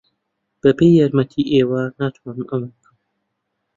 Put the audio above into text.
بەبێ یارمەتیی ئێوە ناتوانم ئەمە بکەم.